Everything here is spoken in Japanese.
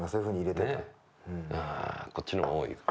こっちの方が多いよ。